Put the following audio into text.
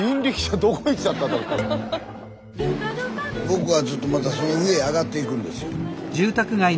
僕はずっとまたその上へ上がっていくんですよ。